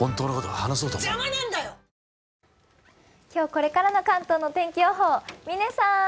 今日これからの関東の天気予報、嶺さん！